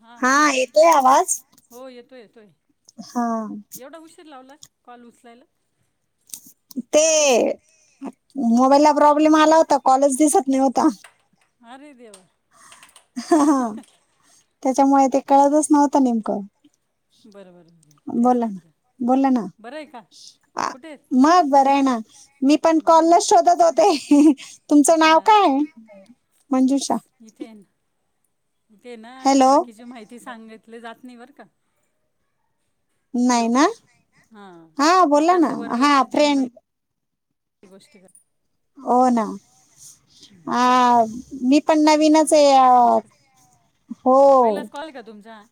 हां हा येतोय आवाज? हो येतोय येतोय हा. कालसलंल [unintelligible] ते मोबाईल ला प्रॉब्लेम आला होता, कॉलेज दिसत न्हवता. अरे देवा. त्याच्यामुळे ते कळतच नव्हतं नेमकं. बरोबर. बोला ना, बोला ना? आहे आ, कुठे [unintelligible] मग बरं आहे ना, मी पण बरं आहे कॉलल शोधत होते ना तुमचं नाव हां ना काय? मंजुषा इथे ना. ते ना हॅलो बाकीची माहिती सांगितली जात नाही बर का- नाही हॅलो ना हां हा बोला ना हा फ्रेंड- गोष्ट का [unintelligible] हो ना अ मी [unintelligible] चालेल, आहे चालेल अ, तुमच्याक हो पहिलाच कॉल का तुमचा?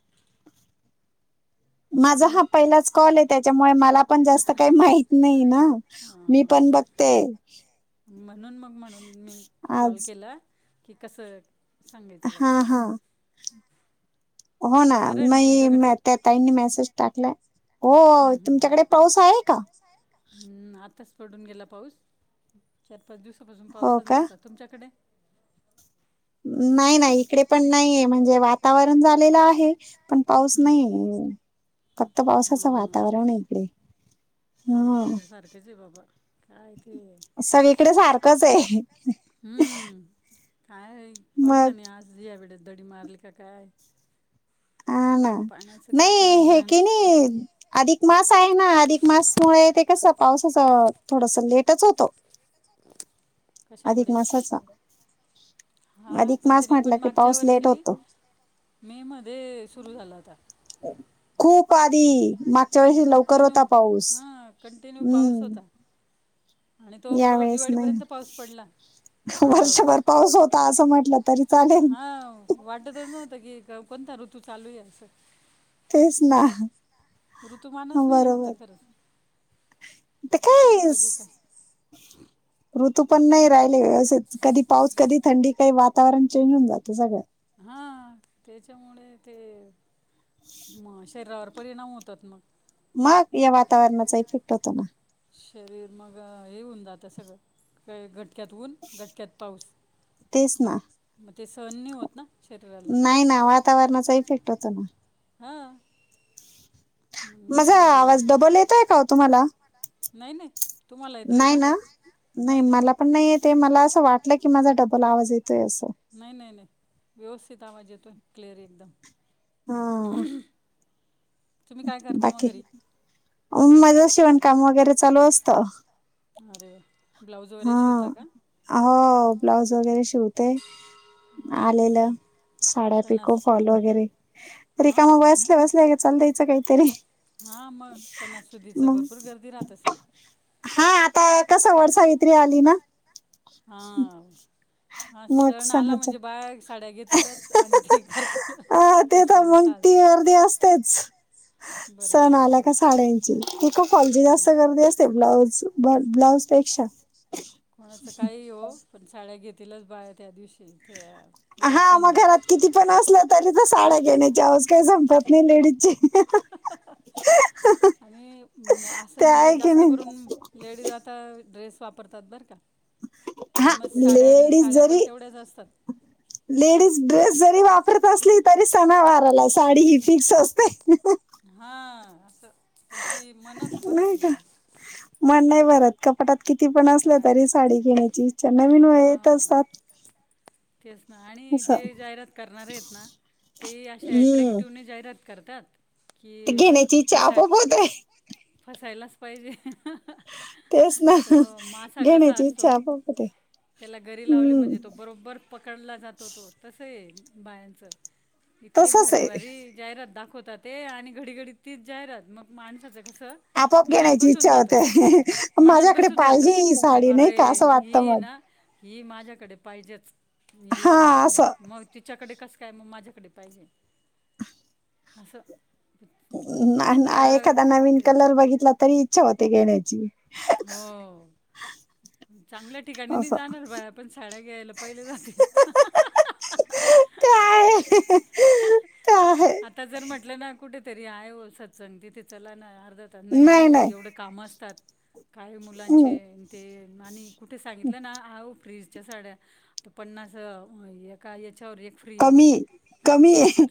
माझ हॅलो हा हां पहिलाच कॉल आहे, त्याच्यामुळे मला पण जास्त काही माहत नाही ना हां मी पण- हां बघते. म्हणून मग म्हणून मी कॉल आज केला- कि कसं सांगायचं हा असं. हा हो ना बरं आहे तुमच्याकडचं म त्या ताईंनी मेसेज टाकलाय. हो हं, हं, तुमच्याकडे पाऊस आहे का? हम्म आताच पडून गेला पाऊस चार पाच दिवसापासून हो पाऊसच का नव्हता तुमच्याकडे? नाही, नाही तुमच्या इकडे पण नाहीये म्हणजे वातावरण झालेलं आहे- पण पाऊस हम्म, नाही, फक्त पावसाचं हा वातावरण आहे इकडे. हा सगळीकडे सारखंच आहे बाबा. काय ते स इकडे सारखंच आहे. हम्म काय मग पावसाने आज या वड दडी मारली का काय? ह ना पाण्याचं काही नाही खरं हे की राहणार नाही अधिक मास आहे. ना अधिक मासमुळे ते कस पावसाच थोडस लेटच होतो. कशामुळे अधिकमासाचा हा पण तरी, पण मागच्या पाऊस लेट वर्षी होतो मे मध्ये सुरू झाला होता. पादी म कंटिन्यू हा कंटिन्यू पाऊस होता. हम्म आणि तो बरोबर यावेळेस नाही दिवाळीपर्यंत पाऊस पडला. हळूहळू वर्षभर पाऊस होता असं म्हटलं तरी चालेल हा वाटतच नव्हतं कि कोणता ऋतू चालू आहे अस? तेच ना. ऋतुमानच नाही आता बरोबर खरंच. ते किती कधी काय कधी काय? तू पण नाही राहिले व्यवस्थित कधी पाऊस कधी थंडी काही वातावरण चेंज होऊन जातं सगळं. हा, त्याच्यामुळे ते मग शरीरावर परिणाम होतात मग. मग या वातावरणाचा इफेक्ट होतो ना. मग हे ऊन जात सगळं का घटक्यात ऊन घटक्यात पाऊस. तेच ना मग ते सहन नाही होत ना. शरीराला नाही ना, वातावरणाचा इफेक्ट होतो ना. हां मग माझा शरीर आवाज डबल येतय का, ओ तुम्हाला? नाही नाही, तुम्हाला येतोय का? नाही नाही नाही. ते मला असं वाटलं की, माझा डबल आवाज येतोय असं. नाही नाही नाही, व्यवस्थित आवाज येतोय क्लिअर ए एकदम. हा. तुम्ही काय करता म घरी? अ म माझं शिवण काम वगैरे चालू असतं. अरे! ब्लाऊज वगैर हा शिवता का? हो, ब्लाऊज वगैरे शिवते. [unintelligible] काय आलेलं सांग? साड्या पिको फॉल वगैरे, रिकाम हां वेळ ठेवायचा नाही, चालू द्यायचं काही हा, मग सणासुदीच मग भरपूर गर्दी राहत असेल? हा आता कसं वड सावित्री आली ना. हा हा, मग सण आला सणाच्या म्हणजे बाया साड्या घेतीलच, आणि ते करतीलचं ते अं, करतीलचं तर सण मग साजरा. ती अर्धी असतेच बरोबर सण आहे बरोबर आला आहे. का साड्यांची पिको फॉल ची जास्त साड्यांची गर्दी असते ब्लाऊज ब- ब्लाउज पेक्षा कोणाचं काही हो, पण साड्या घेतीलच बाया त्या दिवशी. त्या याला हा, मग सणाला घरात किती पण असलं तरी तर साड्या घेण्याची हौस काही संपत नाही लेडीज ची. [unintelligible] आणि असं ते म्हणजे आहे की जास्त नाही करून लेडीज आता ड्रेस वापरतात बरं का हा पण मग लेडीज साड्या-साड्या जरी पण तेवढ्याच असतात. लेडीज ड्रेस जरी वापरत असली, तरी सणावाराला साडी ही फिक्स असते. हा असं त्यांच ये मनच भरत नाही. मन नाही भरत कपाटात किती पण असलं काय तरी साडी घेण्याची इच्छा नवीन येत हां असतात. तेच ना, आणि असं जे जाहिरात करणार आहेत ना ते अशा हम्म अट्रॅक्टिव्हने जाहिरात करतात. की ते घेण्याची इच्छा फसाय आपोआप होत आहे. फसायलाच पाहिजे. तेच ना, तो मासा कसा घेण्याची इच्छा असतो आपोआप होते. त्याला गरी लावली हम्म म्हणजे, तो बरोबर पकडला जातो तो तस आहे. बायांचं इतके तसंच भारी आहे भारी जाहिरात दाखवत तात ते आणि घडी घडी तीच जाहिरात मग माणसाच कस आपोआप घेण्याची इच्छा होतेय, मनात माझ्याकडे बसून जातं पाहिजे साडी नाही का? अरे असं वाटतं ही मग. ना ही माझ्याकडे पाहिजेच, हा ही मग असं मग तिच्याकडे कस काय मग माझ्याकडे पाहिजे अस ना ना एखादा नवीन कलर बघितला, तरी इच्छा होते घ घेण्याची. हो. चांगल्या ठिकाणी नाही असं जाणार, बाया पण साड्या घ्यायला पहिले जातील. काय? [unintelligible] आता जर म्हटलं ना? कुठेतरी आहे, सत्संग तिथे चला ना. त्यांना नाही नाही एवढे काम असतात. काय मुलांचे हम्म. ते आणि कुठे सांगितलं ना, अहो फ्री त्या साड्या त पन्नास एका हेची तर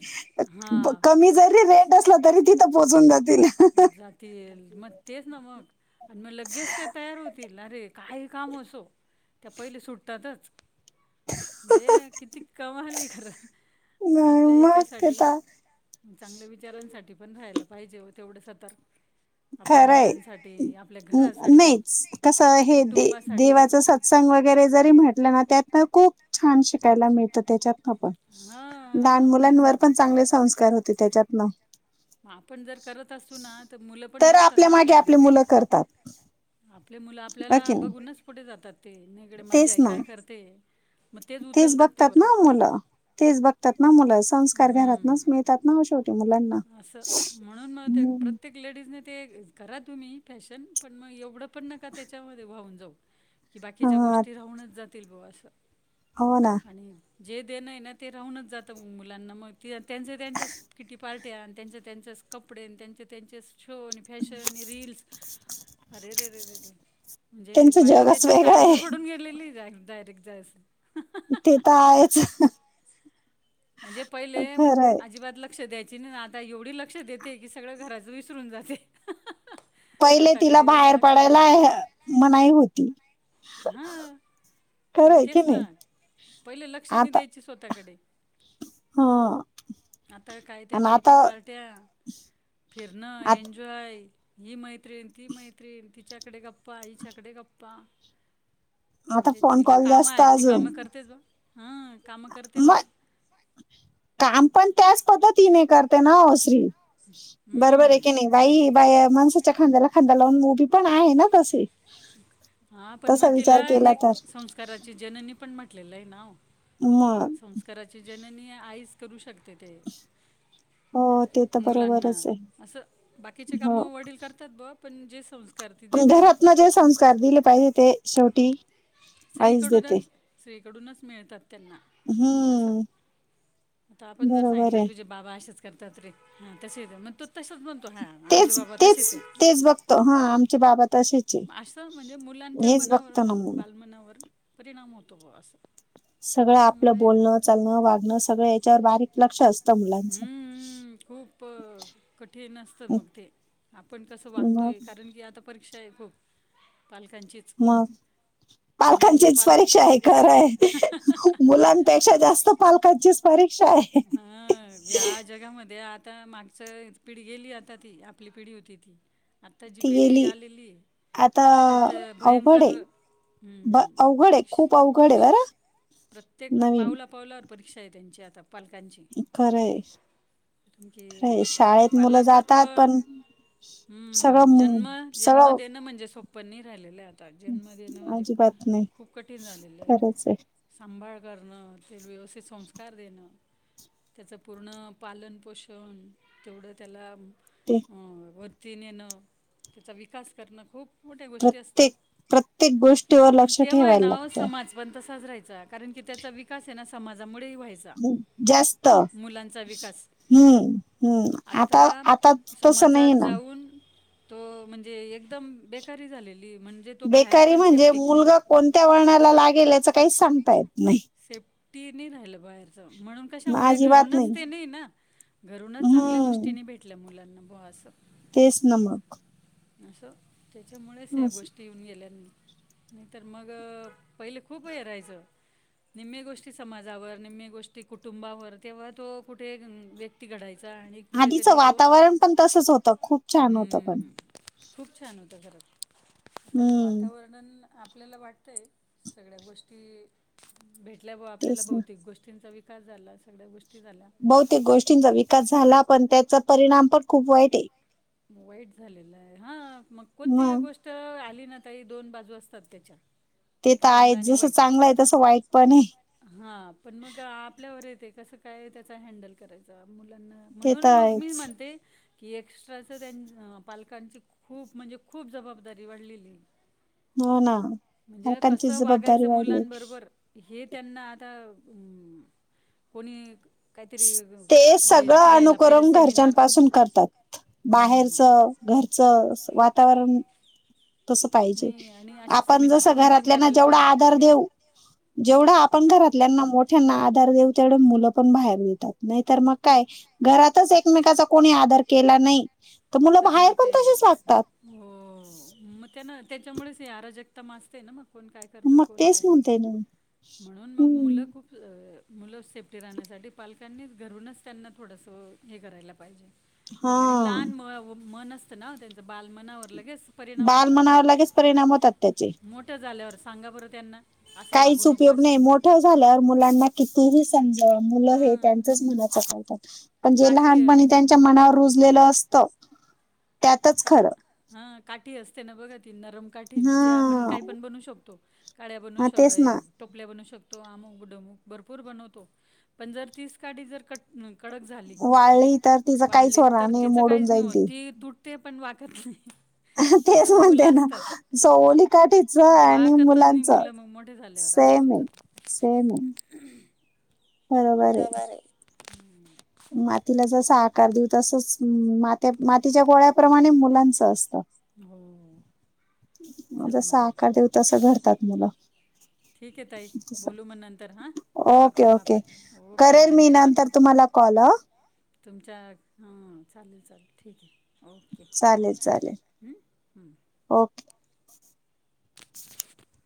हां जरी. रेट असला तरी ती. ोचूनात [unintelligible] जातील मग तेच ना मग. आणि मग लगेच ते तयार होतील अरे काय काम असो. त्या पहिले सुट्टतातच. म्हणजे किती कमाल हाय खरं. आपल्या म मग याच्यासाठी घेतात. चांगल्या विचारांसाठी पण राहायला पाहिजे. व तेवढं सतर्क आपल्या खरंय. मुलांसाठी. ते आपल्या घरासाठी नाहीच कसं हे दे कुटुंबासाठी देवाच सत्संग वगैरे जरी म्हटलं ना. त्यातन खूप. छान शिकायला मिळतं त्याच्यात. पण लहान हा तेच ना मुलांवर पण चांगले संस्कार होते त्याच्यातन. मग आपण जर करत असू ना. तर मुलं पण तर बघतात आपल्या ना मागे आपल्याकडे. आपली मुलं करतात. आपले मुलं हो आपल्याला की नाही बघूनच पुढे जातात. ते न इकडे माजा तेच आहे. ना काय करते. मग तेच उचलतात ते बघतात ना. बरोबर मुलं तेच बघतात ना मुला. संस्कार घरात नच हम्म मिळतात ना ओ. शेवटी मुलांना. असं म्हणून मग ते. हम्म. प्रत्येक लेडीजने ते करा तुम्ही फॅशन पण मग एवढं. आपण नका त्याच्यामध्ये वाहून जाऊ. की बाकीच्या हा गोष्टी राहूनच जातील बा असं. हो ना. आणि जे देण आहे ना. ते राहूनच जातं मुलांना मग त्यांचे त्यांच्या किती. पार्ट्या आणि त्यांच्या-त्यांचेच कपडे त्यांच्या-त्यांचेच शोनी फॅशन रीलस अरेरेरेरेरे. म्हणजे त्यांचं बाई जगच त्याच्यात वेगळं ताळघूर आहे पडून गेलेली डायरेक्ट जायस. ते तर आहेच. म्हणजे पहिले खरंय अजिबात लक्ष द्यायचे आता एवढी लक्ष देते की. सगळं घराच विसरून जाते. पहिले तिला स्वतःकडे एवढं बाहेर लक्ष पडायला मनाई होती. हा. मग खरंय की तेच ना नाही पहिले लक्ष नाही द्यायचे स्वतःकडे. हा. आता काय त्या किटी पार्ट्या, फिरणं, आ एन्जॉय. हि मैत्रीिण, ती मैत्रीिण, तिच्याकडे गप्पा, हिच्याकडे गप्पा. आता म्हणजे फोन जिला कॉल कामं जास्त आहेत. ती अजून कामं करतेच हं कामं करते मग बग. काम पण त्याच पद्धतीने करते ना ओ स्त्री. बरोबर आहे हम्म. की नाही बाई. माणसाच्या खांद्याला खांदा लावून उभी पण आहे ना तशी. हा पण मग तिला एक संस्काराची जननी पण म्हटलेलं आहे ना मग संस्काराची जननी आईच करू शकते ते हो ते तर मुलांना बरोबरच आहे असं बाकीचे काम हो वडील करतात बघ पणजे संस्थ घरातन जे संस्कार दिले पाहिजे ते शेवटी आईच देते कडूनच मिळतात त्यांना असं हम्म आता आपण जर बरोबर सांगितलं आहे तुझे बाबा असेच करर्ताात र्री हा तस म तेच तेच तेच बघतो हा आमचे बाबा त असं म्हणजे मुलांच्या मनावर ना मग बालमनावर परिणाम होतो बा असं सगळ आपलं त्याच्यामुळे बोलणं लणं वागणं सगळं याच्यावर बारीक लक्ष असतं मुलांचं हम् खूप कठीण असतं मग ते आपण कसं मग वागतोय कारण की आता परीक्षा आहे खूप पालकांचीच मग म्हणून पालकांचीच पाल परीक्षा आहे खरं आहे मुलांपेक्षा जास्त पालकांचीच परीक्षा आहे हां या जगामध्ये आता मागच पिढी गेली आता ती आपली पिढी होती ती आत्ता जी ती पिढीी गेली आलेली आता तर अवघड भयंकर आहे हम्म, अवघड आहे परीक्षा खूप अवघडे आहे बर परीक्षा प्रत्येक पावला पावल्यावर परीक्षा आहे त्यांची आता पालकांची खरं कारण की खरं शाळेत मुलं जातात पालकत्व पण सगळं हम्म मु- जन्म जन्म सगळं देणं म्हणजे सोप पनीर आहिलेलं आहे आता जन्मदिनं म्हणजे अजिबात नाही खूप कठीण झालेलं आहे सांभाळ करण तेोे संस्कार देणं त्याचं पूर्ण पालन पोषण तेवढं त्याला ते अ वरती नेणं त्याचा विकास करणं खूप मोठ्या गोष्टी असतात प्रत्येक प्रत्येक गोष्टीवर लक्ष ठेवायला लागतं जरायचा कारण की त्याचा विकास आहे ना समाजामुळे व्हायचा जास्त मुलांचा विकास हम्म हम्म आता आता तस समाजात नाहीय ना जाऊन तो म्हणजे एकदम बेकारी झालेली म्हणजे तो बाहेर बेकार पण म्हणजे सेफ्टिक नाही मुलगा कोणत्या वर्णाला लागेल याच काही सांगता येत नाही सेफ्टी नाही राहिलं बाहेरच म्हणून कशामुळे घरूनच ते नाही ना घरूनच चांगल्या हम्म गोष्टीनी भेटल्या मुलांना बो असं तेच नमक असं त्याच्यामुळेच या गोष्टी येऊन गेल्यानी नाही तरर मग पहिले खूप हे राहायचं निम्ममी गोष्टी समाजावर निम्म गोष्टी कुटुंबावर तेव्हा तो कुठे व्यक्ती घडायचा आणि आधीचं कुठेतरी तो् वातावरण पण तसंच होतं खूप छान होतं पण खूप छान होता घरात आता का हम्म वातावरण आपल्याला वाटतंय सगळ्या गोष्टी भेटल्यावर आपल्याला तेच ना भौतिक गोष्टींचा व झाला सग्या गोष्ट बहुतेक गोष्टींचा विकास झाला पण त्याचा परिणाम पण खूप वाईट आहे वाईट झालेलं आहे हा मग कोणती मग गोष्ट आली ताई दोन बाजू असतात त्याच्या ते एक तर चांगला आहेच आणि जसं वाईट चांगलं आहे तसं वाईट पण आहे हा पण मग आपल्यावर येत कसं काय त्याचा हँडल करायचां मुलांना ते म्हणून तर मग मी आहेच म्हणते की ए म्रा पालकांची खूप म्हणजे खूप जबाबदारी वाढलेली ह ना म्हणजे बायकांची कसं जबाबदारी वागायचं वाढली मुलांबरोबर हे त्यांना आता कोणी काहीतरी ते हे सगळं घ्यायला पाहिजे अनुकरण सेमिनार घरच्यांपासून करतात हम्म. बाहेरच घरचं वातावरण तसं पाहिजे. नाही आणि असे आपण सेमिनार जसं पण अटेंड घरातल्यांना करायला जेवढा पाहिजे आधार देऊ, जेवढा आपण घरातल्याना मोठ्यांना आधार देऊ, तेवढ मुलं पण बाहेर देतात. नाहीतर मग काय घरातच एकमेकाचा कोणी आदर केला नाही मुलं तर बाहेर मग पण ते तसेच वागतात अ मग त्या ना त्याच्यामुळेच अराजक आता मासते ना मग कोण काय करतं, मग कोण तेच काय नाही. म्हणते ना म्हणून मग मुलं खूप अ मुलं सेफ्टी राहण्यासाठी, पालकांनी घरूनच त्यांना थोडंसं हे करायला पाहिजे. हा. आणि लहान म मन असतं ना त्यांचं, बालमनावर लगेच परिणाम होतात बालमनावर लगेच परिणाम होतात त्याचे. मोठं झाल्यावर सांगा बरं त्यांना. असं वागू काहीच नको उपयोग असं नाही, मोठं झाल्यावर मुलांना कितीही म्हणलं मुलं हे हां त्यांचच मनाच करतात. ती पण जे काठी आहे. लहानपणी त्यांच्या मनावर रुजलेलं अस त, त्यातच खरं ती असते ना बघा ती नरम काठीे तिचे आपण हा कायपण बनवू शकतो. काड्या बनवू हा तेच ना शकतो, टोपल्या बनवू शकतो. तो अममुकडमक भरपूर बनवतो, पण जर तीस काडी जर कट कडक झाली वाळली तर तिचं काहीच वाढली होणार तर नाही, तिचं मोडून काहीच नाही जाईल होत ती. तुटते पण वाकत नाही. तेच तसं म्हणते मुलं ना, असतात सवली काठीच आणि वाकतच नाही मुलांच मुलं मग मोठे झाल्यावर असं सेम होऊन आहे. जातं सेम आहे, बरोबर आहे. मातीला जसं आकार देऊ, तसच मात्यात मातीच्या गोळ्याप्रमाणे मुलांच असतं. हम्म. जसं आकार देऊ, तसं घडतात मुलं. ठीक आहे ताई, तसं. बोलू मग नंतर हां, गप्पा ओके करू ओके आपण. ओके धन्यवाद. कॉला तुमच्या हम्म, चालेल चालेल ठीक आहे. ओके हं. चालेल चालेल, ओके. रीकाम आहे